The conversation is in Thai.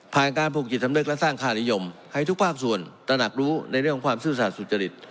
ผ่านการผูกจิตสำนึกและสร้างค่านิยมให้ทุกภาคส่วนตระหนักรู้ในเรื่องของความซื่อสัตว์สุจริต